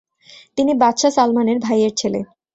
তিনি বাদশাহ সালমানের ভাইয়ের ছেলে।